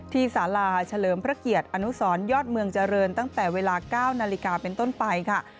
สาราเฉลิมพระเกียรติอนุสรยอดเมืองเจริญตั้งแต่เวลา๙นาฬิกาเป็นต้นไปค่ะ